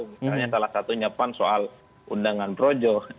misalnya salah satu nyepan soal undangan projo